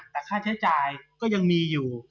แต่ค่าใช้จ่ายก็ยังมีอยู่